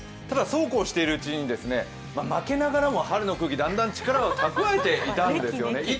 ただ、そうこうしているうちに、負けながらも春の空気、だんだん力を蓄えていたんですよね。